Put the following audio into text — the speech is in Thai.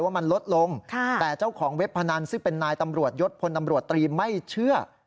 ว่ามันลดลงแต่เจ้าของเว็บพนันซึ่งเป็นนายตำรวจยศพลตำรวจตรีไม่เชื่อ